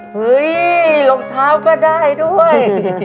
เฮ้ยรองเท้าก็ได้ด้วย